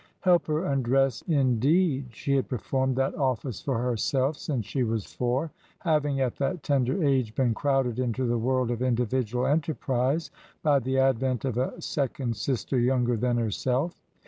Help her undress, indeed! She had performed that office for herself since she was four, having at that tender age been crowded into the world of individual enterprise by the advent of a second sister younger than herself.